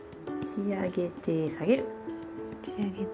持ち上げて下げる。